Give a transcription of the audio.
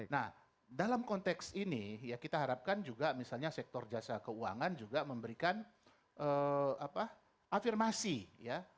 nah dalam konteks ini ya kita harapkan juga misalnya sektor jasa keuangan juga memberikan afirmasi ya